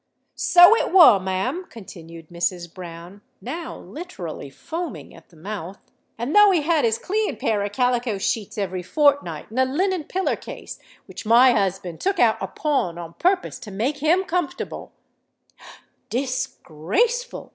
"So it were, ma'am," continued Mrs. Brown, now literally foaming at the mouth: "and though he had his clean pair of calico sheets every fortnight and a linen piller case which my husband took out o' pawn on purpose to make him comfortable——". "Dis graceful!"